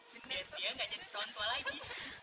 biar dia nggak jadi berantua lagi